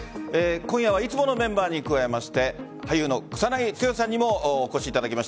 今夜はいつものメンバーに加えまして俳優の草なぎ剛さんにもお越しいただきました。